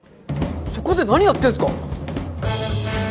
そこで何やってるんですか！？